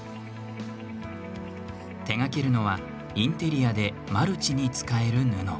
手がけるのはインテリアでマルチに使える布。